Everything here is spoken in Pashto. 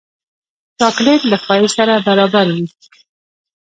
چاکلېټ له ښایست سره برابر وي.